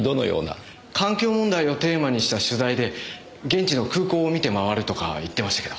環境問題をテーマにした取材で現地の空港を見て回るとか言ってましたけど。